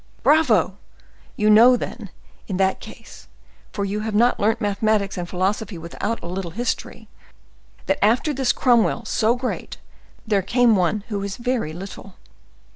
"Bravo! You know then, in that case—for you have not learnt mathematics and philosophy without a little history—that after this Cromwell so great, there came one who was very little."